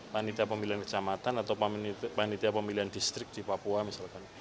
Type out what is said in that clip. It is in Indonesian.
panitia pemilihan kecamatan atau panitia pemilihan distrik di papua misalkan